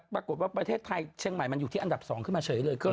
ประเทศไทยเชียงใหม่มันอยู่ที่อันดับ๒ขึ้นมาเฉยเลย